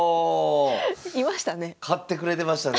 いましたね。